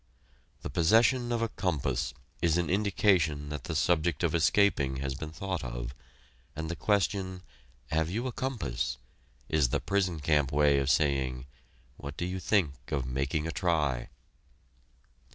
The possession of a compass is an indication that the subject of "escaping" has been thought of, and the question, "Have you a compass?" is the prison camp way of saying, "What do you think of making a try?"